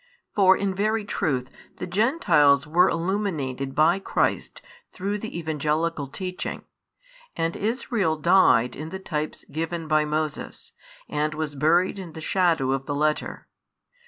For in very truth the Gentiles were illuminated by Christ through the Evangelical teaching, and Israel died in the types given by Moses and was buried in the shadow of the letter.